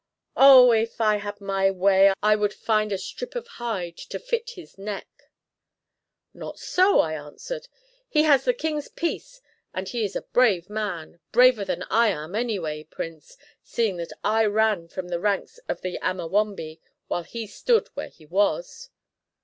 Ow! if I had my way I would find a strip of hide to fit his neck." "Not so," I answered; "he has the king's peace and he is a brave man braver than I am, anyway, Prince, seeing that I ran from the ranks of the Amawombe, while he stood where he was."